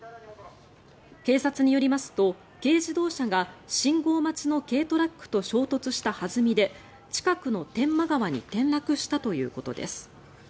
警察によりますと軽自動車が信号待ちの軽トラックと衝突した弾みで近くの天満川に転落したということです。